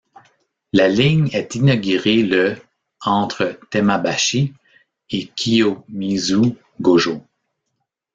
La ligne est inaugurée le entre Temmabashi et Kiyomizu-Gojō.